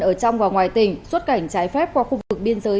ở trong và ngoài tỉnh xuất cảnh trái phép qua khu vực biên giới